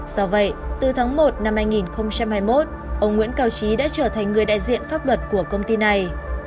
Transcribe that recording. do vậy từ tháng một năm hai nghìn hai mươi một ông nguyễn cao trí đã trở thành người đại diện pháp luật của công ty này